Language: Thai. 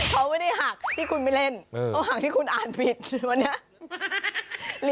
เขาไม่ได้หักที่คุณไม่เล่นเขาหักที่คุณอ่านผิดใช่ไหมเนี่ย